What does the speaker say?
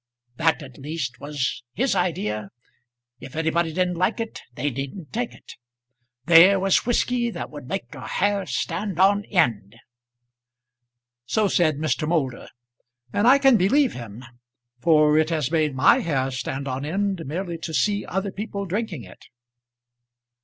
That at least was his idea. If anybody didn't like it, they needn't take it. There was whisky that would make your hair stand on end." So said Mr. Moulder, and I can believe him; for it has made my hair stand on end merely to see other people drinking it.